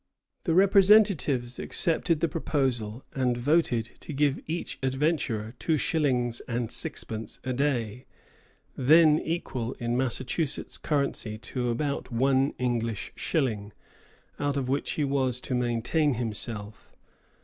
The representatives accepted the proposal and voted to give each adventurer two shillings and sixpence a day, then equal in Massachusetts currency to about one English shilling, out of which he was to maintain himself.